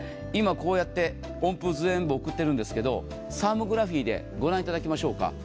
今、温風全部送ってるんですけどサーモグラフィーでご覧いただきましょうか。